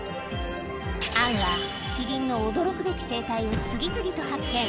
アンはキリンの驚くべき生態を次々と発見。